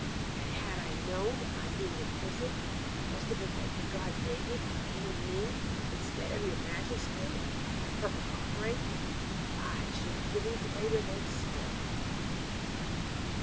And had I known that my being in prison was to prevent the god Devi claiming me instead of your majesty, as a perfect offering, I should have given greater thanks still.'